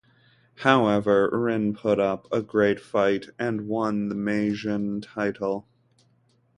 However, Rin put up a great fight and won the Meijin title.